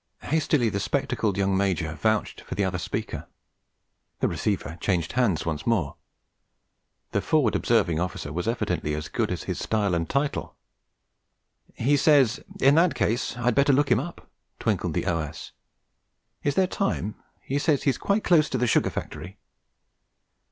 Hastily the spectacled young Major vouched for the other speaker. The receiver changed hands once more. The Forward Observing Officer was evidently as good as his style and title. 'He says "in that case" I'd better look him up!' twinkled the O.S. 'Is there time? He says he's quite close to the sugar factory.'